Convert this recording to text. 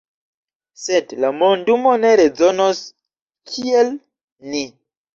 Sed la mondumo ne rezonos kiel ni.